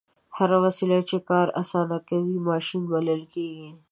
هره وسیله چې کار اسانه کوي ماشین بلل کیږي.